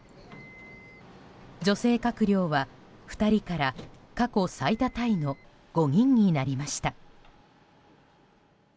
女性閣僚は２人から過去最多タイの５人になりました。